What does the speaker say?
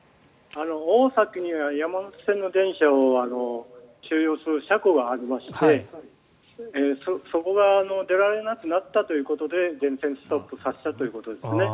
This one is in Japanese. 大崎には山手線の電車を収納する車庫がありましてそこが出られなくなったということで全線ストップさせたということです。